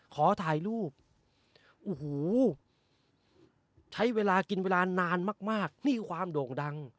ขอถ่ายรูปโอ้โหใช้เวลากินเวลานานมากนี่คือความโด่งดัง